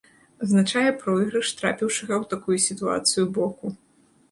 Азначае пройгрыш трапіўшага ў такую сітуацыю боку.